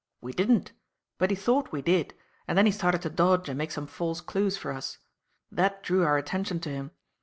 We didn't; but he thought we did, and then he started to dodge and make some false clues for us. That drew our attention to him.